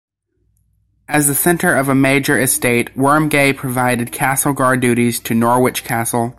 As the centre of a major estate, Wormegay provided castle-guard duties to Norwich Castle.